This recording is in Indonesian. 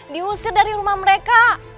diusir dari rumah mereka